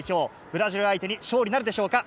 ブラジル相手に勝利なるでしょうか。